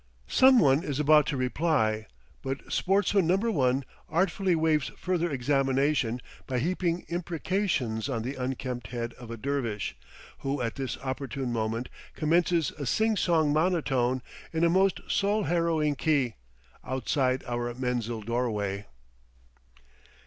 Some one is about to reply, but sportsman No. 1 artfully waives further examination by heaping imprecations on the unkempt head of a dervish, who at this opportune moment commences a sing song monotone, in a most soul harrowing key, outside our menzil doorway.